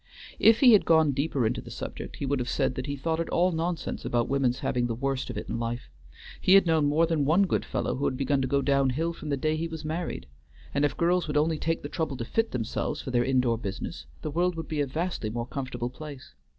If he had gone deeper into the subject he would have said that he thought it all nonsense about women's having the worst of it in life; he had known more than one good fellow who had begun to go down hill from the day he was married, and if girls would only take the trouble to fit themselves for their indoor business the world would be a vastly more comfortable place.